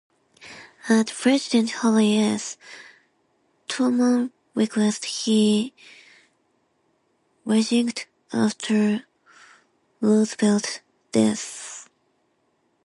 At President Harry S. Truman's request, he resigned after Roosevelt's death.